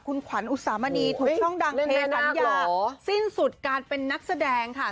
คุณขวัญอุสามณีถูกช่องดังเทสัญญาสิ้นสุดการเป็นนักแสดงค่ะ